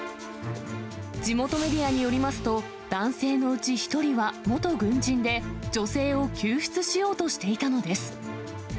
地元メディアによりますと、男性のうち１人は元軍人で、女性を救出しようとしていたのです。